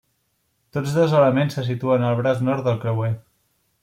Tots dos elements se situen al braç nord del creuer.